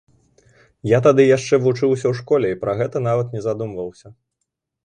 Я тады яшчэ вучыўся ў школе і пра гэта нават не задумваўся.